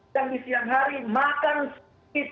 dan di siang hari makan sedikit